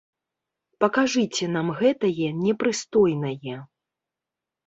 Пакажыце нам гэтае непрыстойнае.